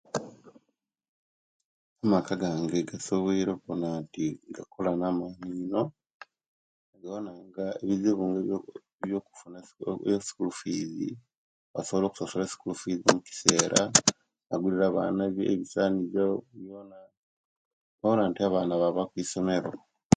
Amaka gange gasoboire kubona nti gakola namani ino, nigawona nga ebiziibu nga ebyok byok ebyoschoolu fiizi, basobola okusasula schoolu fiizi mukaseera, nagulira abaana ebisanizo byona nawona nti abaana baaba okwisomero.